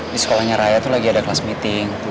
di sekolahnya raya tuh lagi ada class meeting